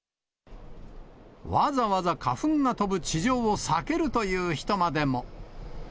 わざわざ花粉が飛ぶ地上を避けるという人までも。